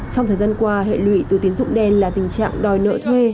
trong thời gian qua hệ lụy từ tiến dụng đen là tình trạng đòi nợ thuê